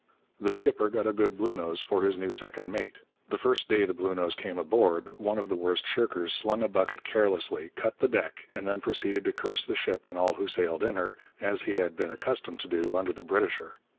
The skipper got a good Bluenose for his new second mate. The first day the Bluenose came aboard one of the worst shirkers slung a bucket carelessly, cut the deck, and then proceeded to curse the ship and all who sailed in her, as he had been accustomed to do under the Britisher.